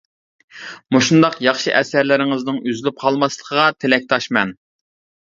مۇشۇنداق ياخشى ئەسەرلىرىڭىزنىڭ ئۈزۈلۈپ قالماسلىقىغا تىلەكداشمەن.